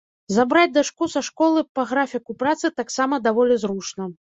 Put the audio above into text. Забраць дачку са школы пра графіку працы таксама даволі зручна.